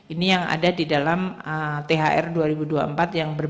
ini yang ada di dalam thr dua ribu dua puluh empat yang berbeda